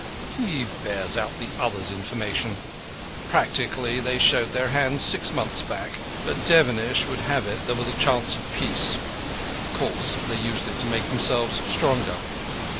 "He bears out the other's information. Practically, they showed their hand six months back. But Devenish would have it there was a chance of peace. Of course they used it to make themselves stronger.